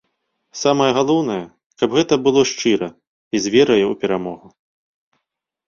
Самае галоўнае, каб гэта было шчыра і з вераю ў перамогу.